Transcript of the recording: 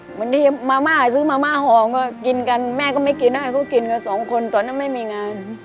บางทีมาม่าซื้อมาม่าหอมก็กินกันแม่ก็ไม่กินให้เขากินกันสองคนตอนนั้นไม่มีงาน